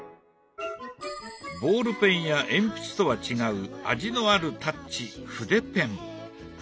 ボールペンや鉛筆とは違う味のあるタッチ筆ペン。